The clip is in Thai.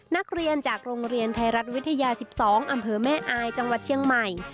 นักเรียนจากโรงเรียนไทยรัฐวิทยา๑๒อำเภอแม่อายจังหวัดเชียงใหม่